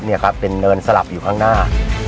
นี่ครับเป็นเนินสลับอยู่ข้างหน้า